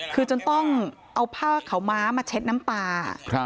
คือจนต้องเอาผ้าขาวม้ามาเช็ดน้ำตา